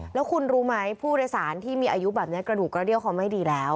แล้วคุณรู้ไหมผู้โดยสารที่มีอายุแบบนี้กระดูกกระเดี้ยวเขาไม่ดีแล้ว